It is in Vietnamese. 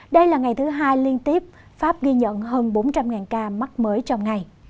đây là ngày thứ hai liên tiếp pháp ghi nhận hơn bốn trăm linh ca mắc mới trong ngày